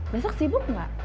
besok sibuk gak